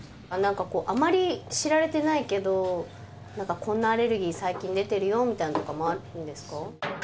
あまり知られてないけどこんなアレルギー最近出てるよみたいなのとかもあるんですか？